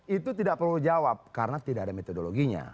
itu tidak perlu dijawab karena tidak ada metodologinya